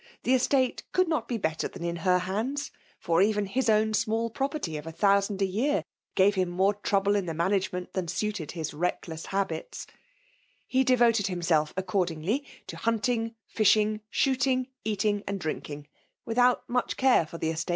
The estate eould not be better than in her hands; t(^ even his own small property of a thousand a year gave him more trouble in themanage^ ment than suited his reckless habits; lie de voted liimself, accordingly, to hunthig, fishiBg, shooting, eating, and drinking, without mtf^ 2a ci»teS^eeA8Li.